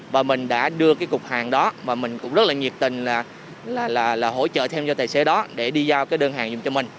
và mình đã đưa cái cục hàng đó và mình cũng rất là nhiệt tình là hỗ trợ thêm cho tài xế đó để đi giao cái đơn hàng dùng cho mình